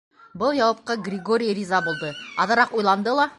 Был яуапҡа Григорий риза булды, аҙыраҡ уйланды ла: